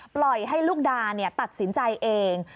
ปล่อยให้ลูกดาตัดสินใจเอง